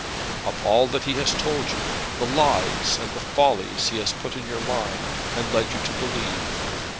"Of all that he has told you, the lies and the follies he has put in your mind, and led you to believe.